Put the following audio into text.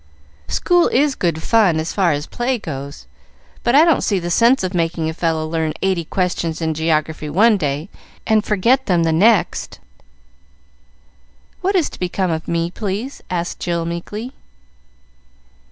School is good fun as far as play goes; but I don't see the sense of making a fellow learn eighty questions in geography one day, and forget them the next. "What is to become of me, please?" asked Jill, meekly.